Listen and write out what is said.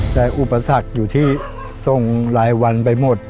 แต่อุปสรรคอยู่ที่ส่งรายวันไปหมด